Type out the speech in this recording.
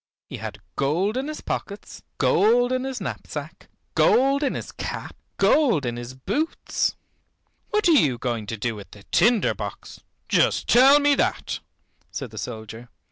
He had gold in his pockets, gold in his knapsack, gold in his cap, gold in his boots. "What are you going to do with the tinder box, just tell me that?" said the soldier.